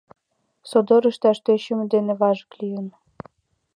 Содор ышташ тӧчымӧ дене важык лийын.